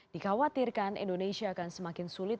dikhawatirkan indonesia akan semakin sulit